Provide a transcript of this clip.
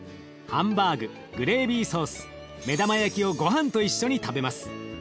ハンバーググレービーソース目玉焼きをごはんと一緒に食べます。